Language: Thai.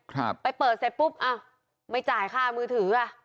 ครับไปเปิดเสร็จปุ๊บอ้าวไม่จ่ายค่ามือถืออ่ะ